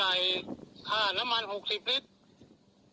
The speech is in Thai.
ค่าจะจ่ายค่าน้ำมัน๖๐ลิตร